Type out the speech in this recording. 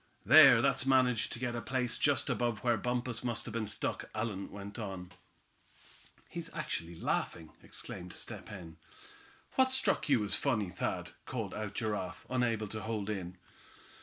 "There, Thad's managed to get to a place just above where Bumpus must have been stuck," Allan went on. "He's actually laughing!" exclaimed Step Hen. "What's struck you as funny, Thad?" called out Giraffe, unable to hold in.